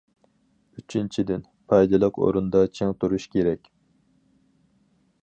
ئۈچىنچىدىن، پايدىلىق ئورۇندا چىڭ تۇرۇش كېرەك.